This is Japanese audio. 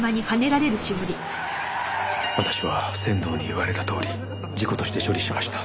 私は仙堂に言われたとおり事故として処理しました。